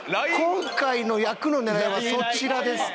今回の役の狙いはそちらですか。